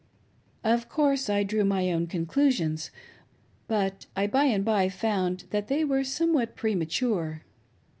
Of course, I drew my own conclusions, but I by and by lound that they were somewhat premature.